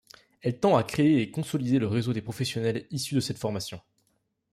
Elle tend à créer et consolider le réseau des professionnels issus de cette formation.